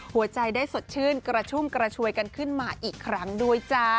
หัวใจได้สดชื่นกระชุ่มกระชวยกันขึ้นมาอีกครั้งด้วยจ้า